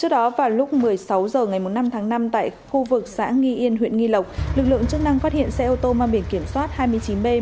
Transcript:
trước đó vào lúc một mươi sáu h ngày năm tháng năm tại khu vực xã nghi yên huyện nghi lộc lực lượng chức năng phát hiện xe ô tô mang biển kiểm soát hai mươi chín b một mươi năm nghìn chín trăm hai mươi bốn